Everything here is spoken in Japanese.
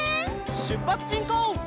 しゅっぱつしんこう！